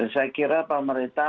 saya kira pemerintah